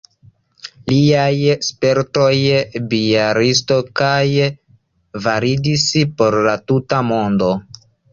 liaj spertoj Bjalistokaj validis por la tuta mondo.